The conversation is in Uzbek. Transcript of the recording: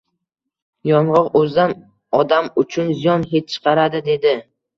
«Yong‘oq o‘zidan odam uchun ziyon hid chiqaradi, — dedi.